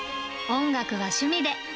音楽は趣味で。